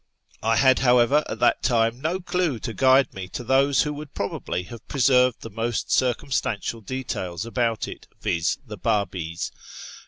I had, how ever, at that time no clue to guide me to those who would probably have preserved the most circumstantial details about it, viz. the Babis.